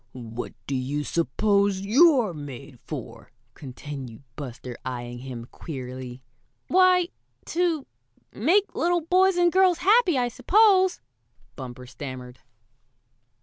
"What do you suppose you're made for?" continued Buster, eyeing him queerly. "Why to make little boys and girls happy, I suppose," Bumper stammered.